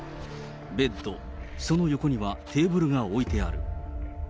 ベッド、その横にはテーブルが置いてある。